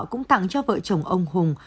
cũng tặng cho vợ chồng ông hùng